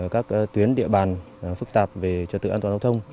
các tuyến địa bàn phức tạp về trật tự an toàn giao thông